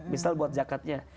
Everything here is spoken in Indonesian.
misal buat zakatnya